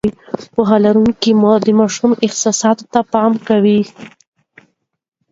پوهه لرونکې مور د ماشوم احساساتو ته پام کوي.